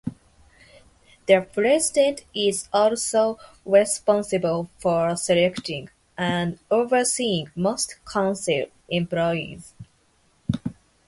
The president is also responsible for selecting and overseeing most Council employees.